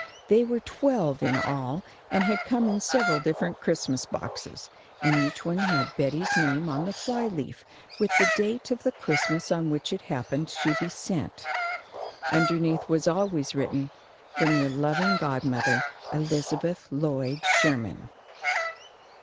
They were twelve in all, and had come in several different Christmas boxes, and each one had Betty's name on the fly leaf, with the date of the Christmas on which it happened to be sent. Underneath was always written: "From your loving godmother, Elizabeth Lloyd Sherman."